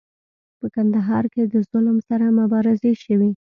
په کندهار کې د ظلم سره مبارزې شوي.